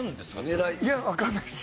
いやわかんないです。